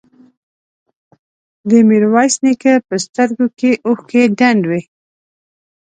د ميرويس نيکه په سترګو کې اوښکې ډنډ وې.